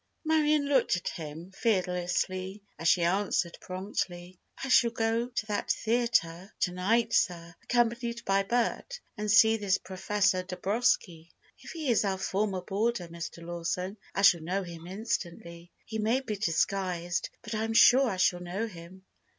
Marion looked at him fearlessly, as she answered promptly: "I shall go to that theatre to night, sir, accompanied by Bert, and see this Professor Dabroski. If he is our former boarder, Mr. Lawson, I shall know him instantly. He may be disguised, but I am sure I shall know him!"